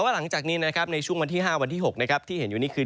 หลังจากนี้นะครับในช่วงวันที่๕วันที่๖ที่เห็นอยู่นี่คือ